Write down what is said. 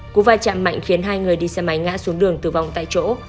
cú vai trạm mạnh khiến hai người đi xe máy ngã xuống đường tử vong tại chỗ